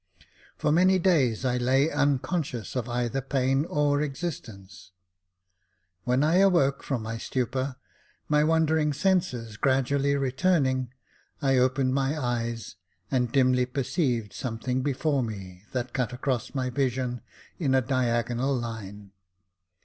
For many days I lay unconscious of either pain or existence : when I awoke from my stupor, my wandering senses gradually returning, I opened my eyes, and dimly perceived something before me that cut across my vision in a diagonal line.